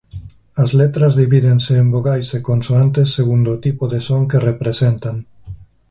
As letras divídense en vogais e consoantes segundo o tipo de son que representan.